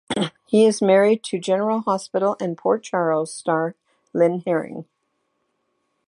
He is married to "General Hospital" and "Port Charles" star Lynn Herring.